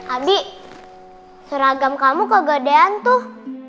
abi seragam kamu kegadean tuh